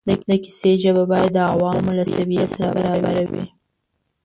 د کیسې ژبه باید د عوامو له سویې سره برابره وي.